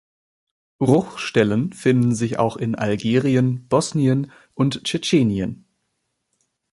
Bruchstellen finden sich auch in Algerien, Bosnien und Tschetschenien.